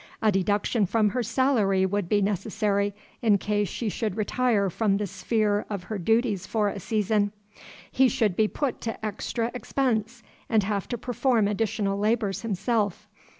A deduction from her selary would be necessary, in case she should retire from the sphere of her dooties for a season. He should be put to extry expense, and have to perform additional labors himself.